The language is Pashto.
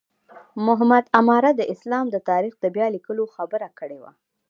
محمد عماره د اسلام د تاریخ د بیا لیکلو خبره کړې وه.